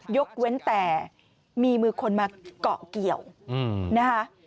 ยกเว้นแต่มีมือคนมาเกาะเกี่ยวนะคะ